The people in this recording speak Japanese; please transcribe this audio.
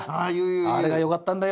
あれがよかったんだよ。